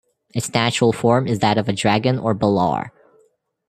Its natural form is that of a dragon or balaur.